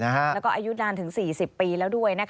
แล้วก็อายุนานถึง๔๐ปีแล้วด้วย